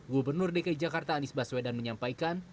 gubernur dki jakarta anies baswedan menyampaikan